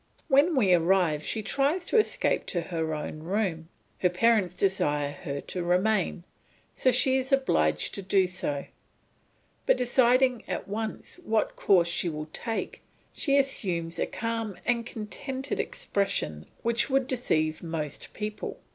When we arrive she tries to escape to her own room; her parents desire her to remain, so she is obliged to do so; but deciding at once what course she will take she assumes a calm and contented expression which would deceive most people.